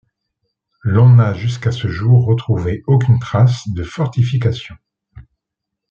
L'on n'a jusqu'à ce jour retrouvé aucune trace de fortification.